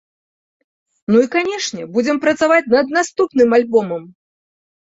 Ну і, канешне, будзем працаваць над наступным альбомам!